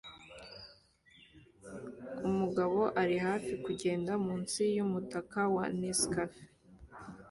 Umugabo ari hafi kugenda munsi yumutaka wa Nescafe